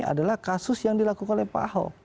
adalah kasus yang dilakukan oleh pahok